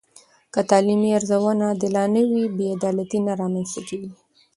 که تعلیمي ارزونه عادلانه وي، بې عدالتي نه رامنځته کېږي.